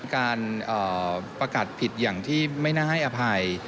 การประกาศผิดอย่างที่ไม่น่าให้อภัย